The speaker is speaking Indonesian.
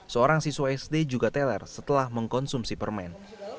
seorang siswa sd juga teler setelah mengkonsumsi permen